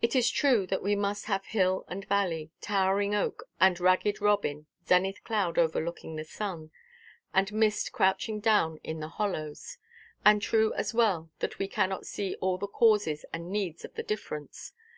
It is true that we must have hill and valley, towering oak and ragged robin, zenith cloud overlooking the sun, and mist crouching down in the hollows. And true as well that we cannot see all the causes and needs of the difference.